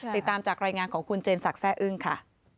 ติดตามจากรายงานของคุณเจนศักดิแซ่อึ้งค่ะ